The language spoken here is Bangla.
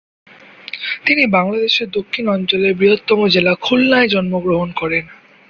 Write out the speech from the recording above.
তিনি বাংলাদেশের দক্ষিণ অঞ্চলের বৃহত্তর জেলা খুলনায় জন্মগ্রহণ করেন।